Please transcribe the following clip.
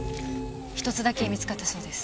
一つだけ見つかったそうです。